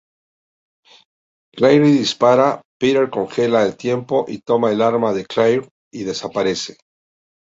Claire dispara, Peter congela el tiempo y toma el arma de Claire y desaparece.